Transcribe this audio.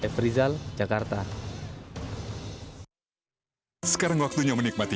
f rizal jakarta